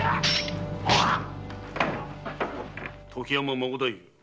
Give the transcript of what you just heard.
時山孫太夫。